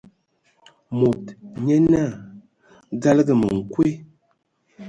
Mod nyé naa: "Dzalǝga ma nkwe !".